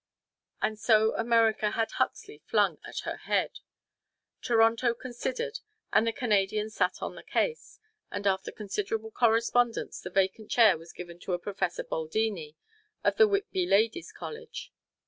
And so America had Huxley flung at her head. Toronto considered, and the Canadians sat on the case, and after considerable correspondence, the vacant chair was given to Professor Baldini of the Whitby Ladies College.